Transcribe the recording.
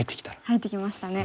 入ってきましたね。